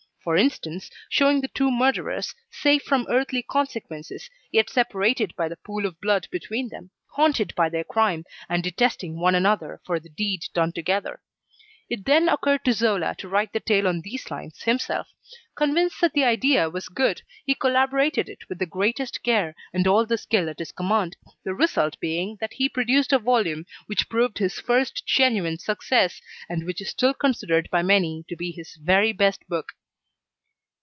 For instance, showing the two murderers safe from earthly consequences, yet separated by the pool of blood between them, haunted by their crime, and detesting one another for the deed done together. It then occurred to Zola to write the tale on these lines himself. Convinced that the idea was good, he elaborated it with the greatest care and all the skill at his command, the result being that he produced a volume which proved his first genuine success, and which is still considered by many to be his very best book.